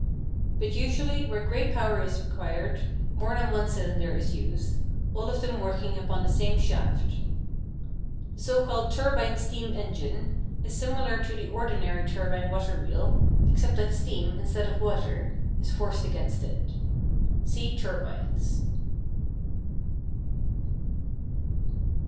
But usually, where great power is required, more than one cylinder is used, all of them working upon the same shaft The so called turbine steam engine is similar to the ordinary turbine water wheel, except that steam, instead of water, is forced against it. See "Turbines."